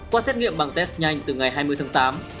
qua xét nghiệm bằng test nhanh từ ngày hai mươi tháng tám